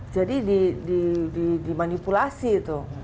jadi dimanipulasi itu